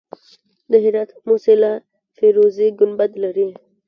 د هرات موسیلا فیروزي ګنبد لري